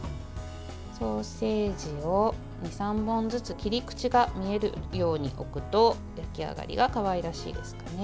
ソーセージを２３本ずつ切り口が見えるように置くと焼き上がりがかわいらしいですかね。